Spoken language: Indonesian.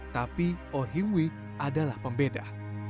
tapi ohiwi adalah pembeda